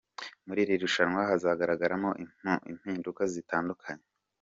Muri iri rushanwa hazagaragaramo impinduka zitandukanye.